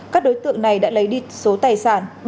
các đối tượng này đã lấy đi số tài sản